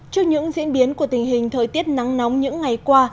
trước những diễn biến của tình hình thời tiết nắng nóng những ngày qua